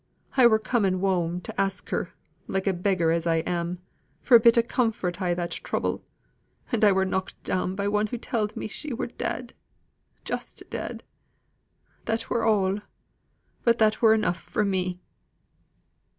I were coming whoam to ask her, like a beggar as I am, for a bit o' comfort i' that trouble; and I were knocked down by one who telled me she were dead just dead. That were all; but that were enough for me."